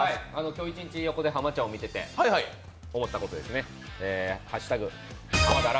今日一日、横で濱ちゃんを見てて思ったことですね。